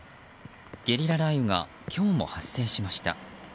ゲリラ雷雨が今日も発生しました。